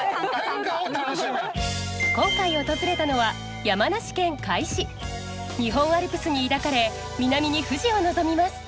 今回訪れたのは日本アルプスに抱かれ南に富士を望みます。